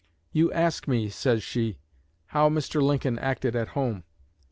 "You ask me," says she, "how Mr. Lincoln acted at home.